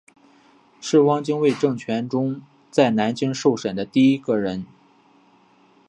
是汪精卫政权中在南京受审的第一个人。